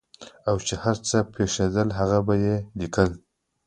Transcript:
او چې هر څه به پېښېدل هغه به یې لیکل.